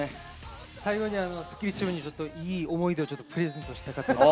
最後にスッキリチームにいい思い出をプレゼントしたかったです。